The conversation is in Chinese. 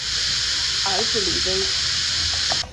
儿子李威。